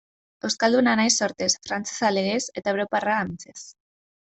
Euskalduna naiz sortzez, frantsesa legez, eta europarra ametsez.